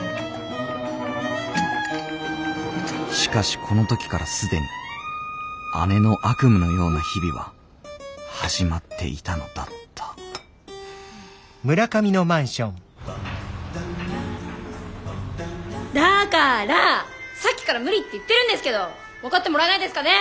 しかしこの時から既に姉の悪夢のような日々は始まっていたのだっただからさっきから無理って言ってるんですけど分かってもらえないですかね！？